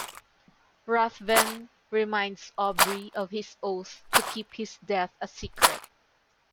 Ruthven reminds Aubrey of his oath to keep his death a secret.